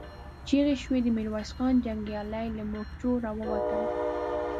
چيغې شوې، د ميرويس خان جنګيالي له مورچو را ووتل.